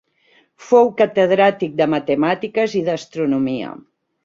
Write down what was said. Fou catedràtic de Matemàtiques i d'Astronomia.